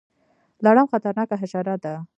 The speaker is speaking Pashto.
لړم خطرناکه حشره ده